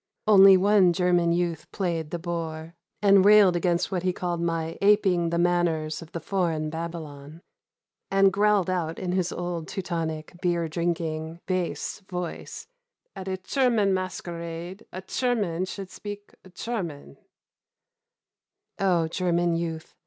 Only one German youth played the boor, and railed against what he called my aping the manners of the foreign Babylon; and growled out in his old Teutonic, beer drinking bass voice, 'At a cherman masquerade, a Cherman should speak Cherman.' Oh German youth!